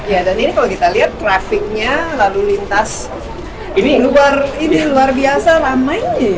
ya dan ini kalau kita lihat trafiknya lalu lintas luar biasa ramainya ya